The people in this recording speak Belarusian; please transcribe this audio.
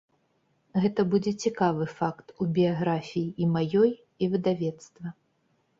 Гэта будзе цікавы факт у біяграфіі і маёй, і выдавецтва.